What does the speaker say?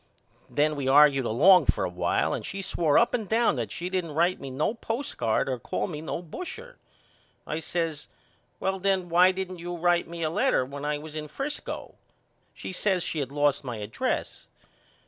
Then we argued along for a while and she swore up and down that she didn't write me no postcard or call me no busher. I says Well then why didn't you write me a letter when I was in Frisco? She says she had lost my address.